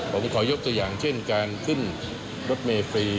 ผมขอยกตัวอย่างเช่นการขึ้นรถเมฟรี